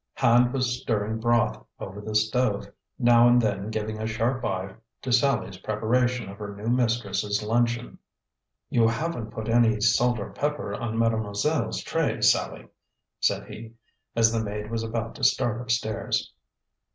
Hand was stirring broth over the stove, now and then giving a sharp eye to Sallie's preparation of her new mistress' luncheon. "You haven't put any salt or pepper on mademoiselle's tray, Sallie," said he, as the maid was about to start up stairs.